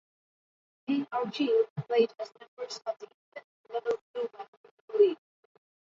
Pen Argyl played as members of the Independent level Blue Mountain League.